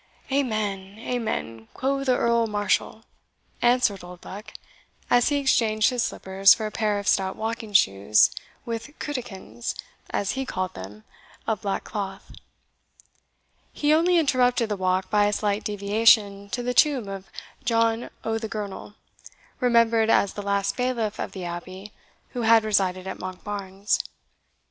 "Amen, amen, quo' the Earl Marshall," answered Oldbuck, as he exchanged his slippers for a pair of stout walking shoes, with cutikins, as he called them, of black cloth. He only interrupted the walk by a slight deviation to the tomb of John o' the Girnel, remembered as the last bailiff of the abbey who had resided at Monkbarns.